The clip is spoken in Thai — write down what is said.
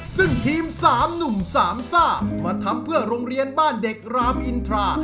ซึ่งทีม๓หนุ่มสามซ่ามาทำเพื่อโรงเรียนบ้านเด็กรามอินทรา